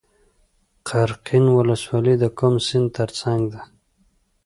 قرقین ولسوالۍ د کوم سیند تر څنګ ده؟